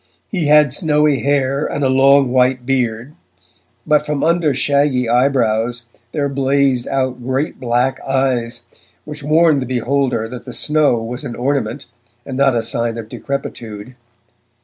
He had snowy hair and a long white beard, but from under shaggy eyebrows there blazed out great black eyes which warned the beholder that the snow was an ornament and not a sign of decrepitude.